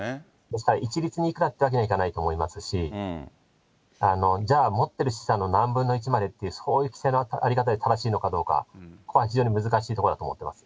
ですから、一律にいくらっていうわけにはいかないと思いますし、じゃあ、持ってる資産の何分の１までみたいな、そういう規制の在り方で正しいのかどうか、ここは非常に難しいところだと思ってます。